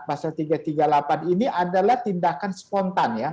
pasal tiga ratus tiga puluh delapan ini adalah tindakan spontan ya